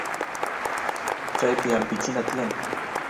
chaypi ampichina tiyan